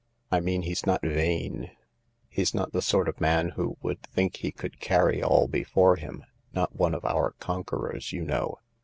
I mean he's not vain — he's not the sort of man who would think he could carry all before him ; not one of our conquerors, you know.